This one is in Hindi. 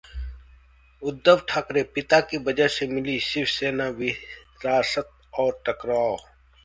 उद्धव ठाकरेः पिता की वजह से मिली शिवसेना विरासत और टकराव